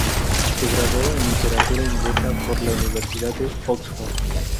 Se graduó en Literatura inglesa por la Universidad de Oxford.